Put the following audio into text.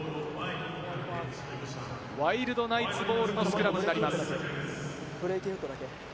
ワイルドナイツボールのスクラムになります。